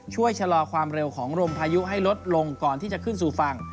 ชะลอความเร็วของลมพายุให้ลดลงก่อนที่จะขึ้นสู่ฝั่ง